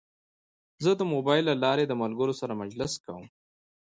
زه د موبایل له لارې د ملګرو سره مجلس کوم.